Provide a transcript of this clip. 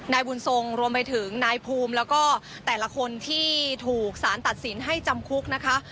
นายบุญทรงรวมไปถึงนายภูมิแล้วก็แต่ละคนที่ถูกสารตัดสินให้จำคุกนะคะ